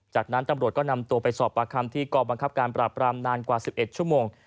จากนั้นตำรวจก็นำตัวไปสอบปากคำที่กองบังคับการปราบรามนานกว่า๑๑ชั่วโมง